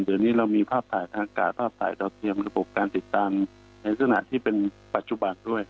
เดือนนี้เรามีภาพถ่ายทางการภาพถ่ายระบบการติดตามในสถานะที่เป็นปัจจุบันด้วย